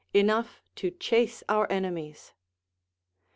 Enough to chase our enemies.